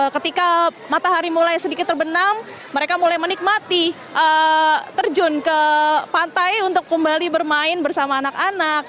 ketika matahari mulai sedikit terbenam mereka mulai menikmati terjun ke pantai untuk kembali bermain bersama anak anak